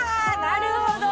なるほど。